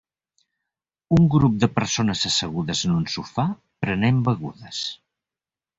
Un grup de persones assegudes en un sofà prenent begudes.